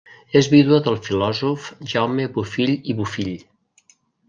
És vídua del filòsof Jaume Bofill i Bofill.